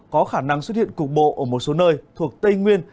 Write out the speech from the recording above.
có khả năng xuất hiện cục bộ ở một số nơi thuộc tây nguyên